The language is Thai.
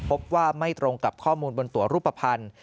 ไม่ตรงกับข้อมูลบนตัวรูปภัณฑ์